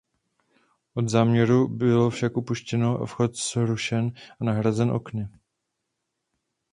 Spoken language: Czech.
Od záměru bylo však upuštěno a vchod zrušen a nahrazen okny.